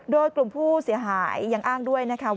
โดยกลุ่มผู้เสียหายยังอ้างด้วยว่านายธิติพันธุ์